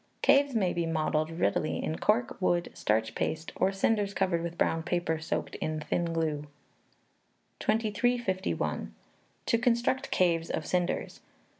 Caves may be modelled readily in cork, wood, starch paste, or cinders covered with brown paper soaked in thin glue. 2351. To Construct Caves of Cinders.